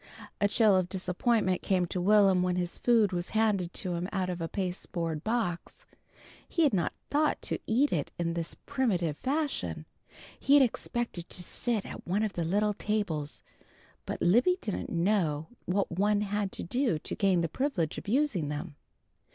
A chill of disappointment came to Will'm when his food was handed to him out of a pasteboard box. He had not thought to eat it in this primitive fashion. He had expected to sit at one of the little tables, but Libby didn't know what one had to do to gain the privilege of using them.